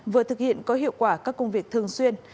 vừa thực hiện có hiệu quả các công việc thường xuyên